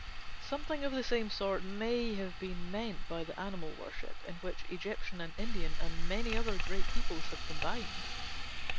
Something of the same sort may have been meant by the animal worship, in which Egyptian and Indian and many other great peoples have combined.